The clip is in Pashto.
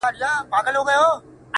ځكه له يوه جوړه كالو سره راوتـي يــو!